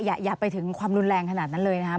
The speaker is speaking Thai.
อย่าไปถึงความรุนแรงขนาดนั้นเลยนะครับ